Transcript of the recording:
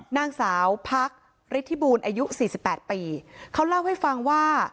นางสาวพักอริฐบุญอายุ๔๘ปีเขาเล่าให้ฟังว่า